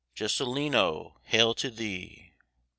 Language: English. Jesulino, hail to thee!